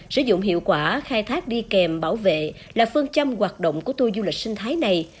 sử dụng hiệu quả khai thác đi kèm bảo vệ là phương châm hoạt động của tuô du lịch sinh thái này